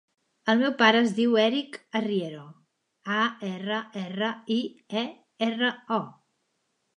El meu pare es diu Erik Arriero: a, erra, erra, i, e, erra, o.